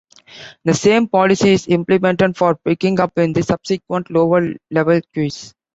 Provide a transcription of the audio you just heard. The same policy is implemented for picking up in the subsequent lower level queues.